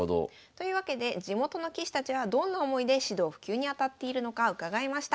というわけで地元の棋士たちはどんな思いで指導・普及に当たっているのか伺いました。